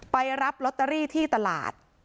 ไปรับลอตเตอรี่ที่ตลาด